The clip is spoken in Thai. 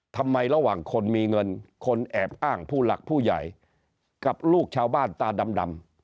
ระหว่างคนมีเงินคนแอบอ้างผู้หลักผู้ใหญ่กับลูกชาวบ้านตาดำ